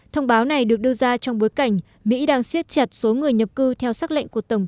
thông báo này được đưa ra trong bối cảnh mỹ đang siếp chặt